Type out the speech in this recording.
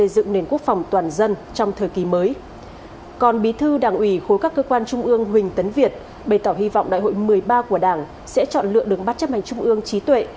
đường bắt chấp hành trung ương trí tuệ